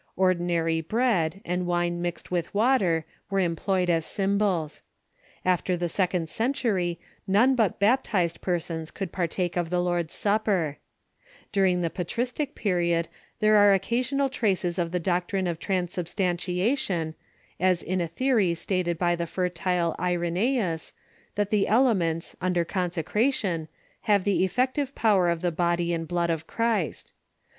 Ordinary bread, and wine mixed with water, were employed as symbols. After the second century none but baptized persons could partake of the Lord's Supper, During the patristic period there are occasional traces of the doctrine of transubstantiation, as in a theory stated by the fertile L ena3us, that the elements, after consecration, have the effective power of the body and blood of Christ.